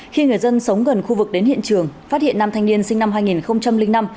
khi người dân sống gần khu vực đến hiện trường phát hiện nam thanh niên sinh năm hai nghìn năm